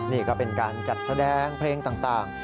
นี่ก็เป็นการจัดแสดงเพลงต่าง